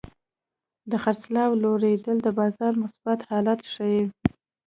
د خرڅلاو لوړېدل د بازار مثبت حالت ښيي.